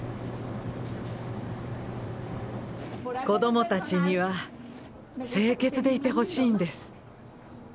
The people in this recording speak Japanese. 子どもたちには清潔でいてほしいんです。